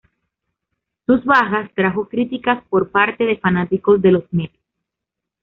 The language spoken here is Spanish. Sus bajas trajo críticas por parte de fanáticos de los Mets.